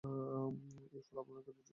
এই ফল আপনকার যোগ্য, আপনি গ্রহণ করুন।